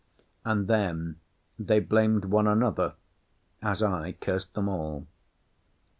And then they blamed one another; as I cursed them all.